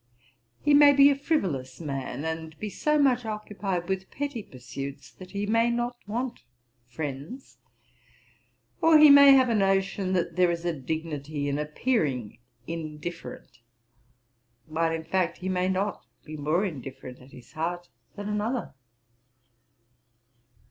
He may be a frivolous man, and be so much occupied with petty pursuits, that he may not want friends. Or he may have a notion that there is a dignity in appearing indifferent, while he in fact may not be more indifferent at his heart than another.'